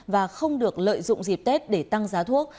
và không được lợi dụng dịp tết để tăng giá thuốc